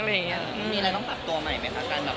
มีอะไรต้องปรับตัวใหม่ไหมคะ